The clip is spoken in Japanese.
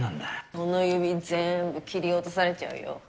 その指、全部切り落とされちゃうよ。